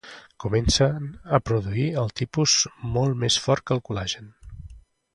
Comencen a produir el tipus molt més fort que el col·lagen.